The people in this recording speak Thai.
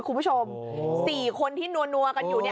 คุณผู้ชม๔คนที่นัวกันอยู่